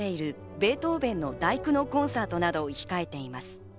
ベートーヴェンの第九のコンサートなどを控えています。